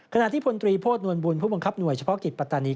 ขณะที่พลตรีโพธนวลบุญผู้บังคับหน่วยเฉพาะกิจปัตตานี